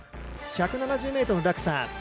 １７０ｍの落差。